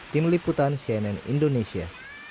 tim liputan cnn indonesia